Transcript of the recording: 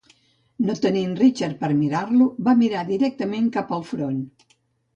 No tenint Richard per mirar-lo, va mirar directament cap al front.